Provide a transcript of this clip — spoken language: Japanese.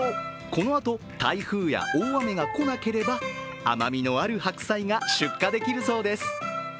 このあと、台風や大雨が来なければ甘みのある白菜が出荷できるそうです。